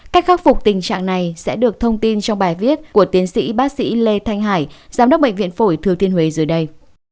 cách khắc phục tình trạng này sẽ được thông tin trong bài viết của tiến sĩ bác sĩ lê thanh hải giám đốc bệnh viện phổi thừa thiên huế dưới đây